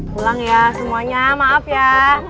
pulang ya semuanya maaf ya